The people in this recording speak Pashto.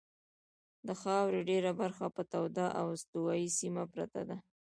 د خاورې ډېره برخه په توده او استوایي سیمه پرته ده.